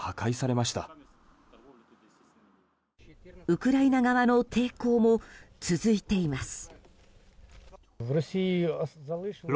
ウクライナ側の抵抗も続いています。